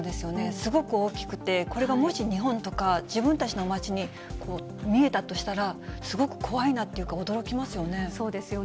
すごく大きくて、これがもし日本とか、自分たちの街に見えたとしたら、すごく怖いなっていうか、驚きまそうですよね。